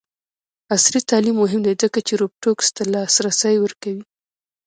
عصري تعلیم مهم دی ځکه چې روبوټکس ته لاسرسی ورکوي.